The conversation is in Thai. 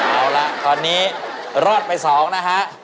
เอาละตอนนี้รอดไป๒นะฮะ